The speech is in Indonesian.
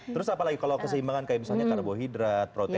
terus apalagi kalau keseimbangan kayak misalnya karbohidrat protein